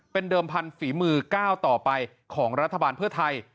เป็นฝีมือก้าวต่อไปของรัฐบาลเพื่อไทย